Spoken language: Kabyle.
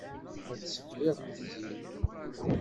La ttṣebbireɣ Tiziri.